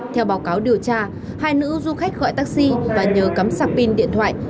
theo báo cáo điều tra hai nữ du khách gọi taxi và nhờ cắm sạc pin điện thoại